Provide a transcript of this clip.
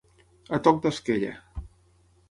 A toc d'esquella.